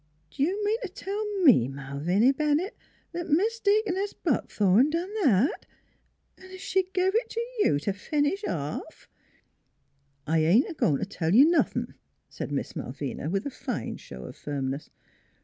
" Do you mean t* tell me, Malviny Bennett, that Mis' Deaconess Buckthorn done that? An' that she give it t' you t' finish off?" " I ain't goin' t' tell you nothin',' said Miss Malvina with a fine show of firmness.